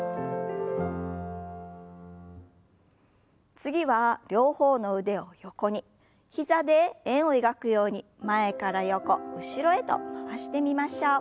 次は両方の腕を横に膝で円を描くように前から横後ろへと回してみましょう。